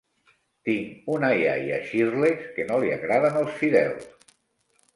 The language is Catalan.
Tinc una iaia a Xirles que no li agraden els fideus: